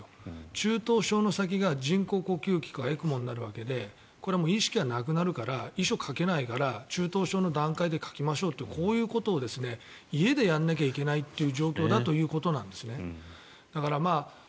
中等症の先が人工呼吸器かＥＣＭＯになるわけでこれは意識がなくなるから遺書書けないから中等症の段階で書きましょうってこういうことを家でやらなきゃいけないという状況だということなんですね。